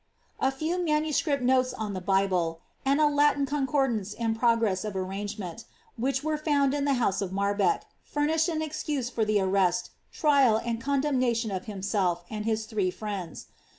A few IMS. notes on tlie Bible, and a Latin Concordance in of arrangement, which were found in the house of Mai beck, an excuse for the arrest, trial, and condemnation of himself and friends.